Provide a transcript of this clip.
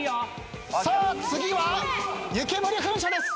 さあ次は湯煙噴射です。